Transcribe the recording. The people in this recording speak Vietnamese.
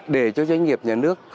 để cho doanh nghiệp nhà nước